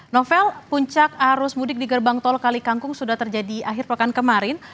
novel puncak arus mudik di gerbang tol kalikangkung sudah terjadi akhir pekan kemarin